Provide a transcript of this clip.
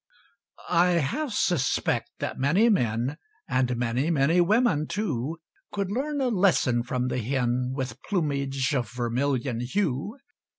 I half suspect that many men, And many, many women too, Could learn a lesson from the hen With plumage of vermilion hue.